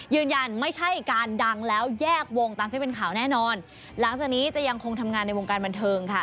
ยืนยันไม่ใช่การดังแล้วแยกวงตามที่เป็นข่าวแน่นอนหลังจากนี้จะยังคงทำงานในวงการบันเทิงค่ะ